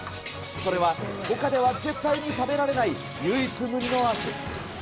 それは、ほかでは絶対に食べられない唯一無二の味。